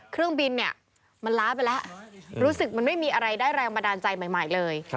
เครื่องบินเนี่ยมันล้าไปแล้วรู้สึกมันไม่มีอะไรได้แรงบันดาลใจใหม่เลย